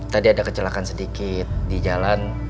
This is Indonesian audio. tadi ada kecelakaan sedikit di jalan